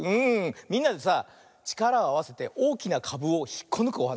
みんなでさちからをあわせておおきなかぶをひっこぬくおはなしだよね。